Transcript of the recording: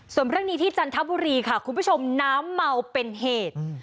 ส่วนเรื่องนี้ที่จันทบุรีค่ะคุณผู้ชมน้ำเมาเป็นเหตุ